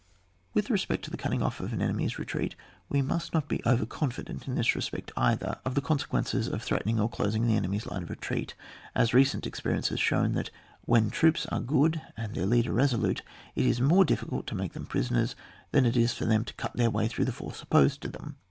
With respect to the cutting off an enemjr's retreat, we must not be oiier confldent in this respect either of the consequences of threatening or closing the enemy's lines of retreat, as recent experience has shown that, when troops are good and their leader resolute, it is more difficult to make them prisoners, than it is for them to cut their way through the force opposed to them.